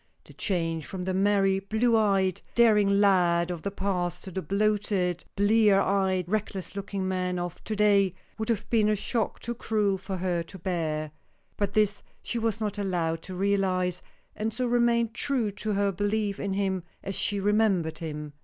The change from the merry, blue eyed, daring lad of the past to the bloated, blear eyed, reckless looking man of to day would have been a shock too cruel for her to bear. But this she was not allowed to realize, and so remained true to her belief in him, as she remembered him.